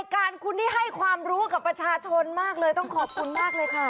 การคุณนี่ให้ความรู้กับประชาชนมากเลยต้องขอบคุณมากเลยค่ะ